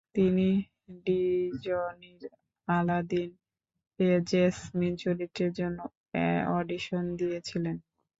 তিনি ডিজনির 'আলাদিন'-এ জেসমিন চরিত্রের জন্য অডিশন দিয়েছিলেন।